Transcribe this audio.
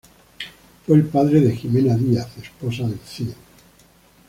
Fue el padre de Jimena Díaz, esposa del Cid.